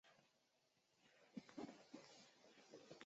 党和政府主办的媒体是党和政府的宣传阵地，必须姓党。